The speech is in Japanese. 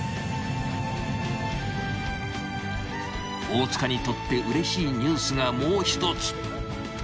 ［大塚にとってうれしいニュースがもう一つ］